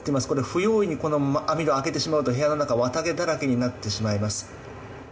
不用意にこの網戸を開けてしまうと部屋の中綿毛だらけになってしまいます。